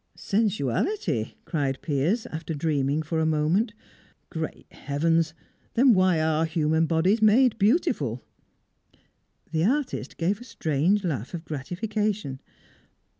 "Sensuality!" cried Piers, after dreaming for a moment. "Great heavens! then why are human bodies made beautiful?" The artist gave a strange laugh of gratification.